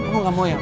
lo gak mau ya